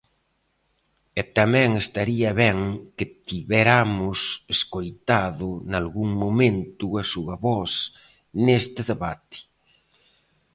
E tamén estaría ben que tiveramos escoitado nalgún momento a súa voz neste debate.